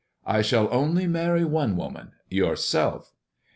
" I shall only marry one woman — yourself."